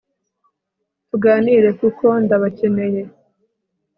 tuganire kuko ndabakeneye